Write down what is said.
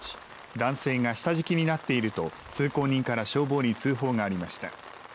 男性が下敷きになっていると通行人から消防に通報がありました。